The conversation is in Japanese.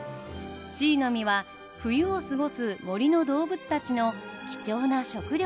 シイの実は冬を過ごす森の動物たちの貴重な食料です。